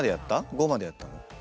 ５までやったの？